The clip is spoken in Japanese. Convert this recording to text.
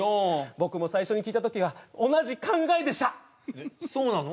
僕も最初に聞いた時は同じ考えでしたえっそうなの？